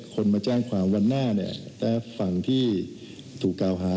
คนมาแจ้งความวันหน้าฝั่งที่ถูกกล่าวหา